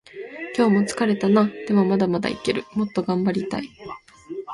今日も疲れたな。でもまだまだいける。もっと頑張りたい。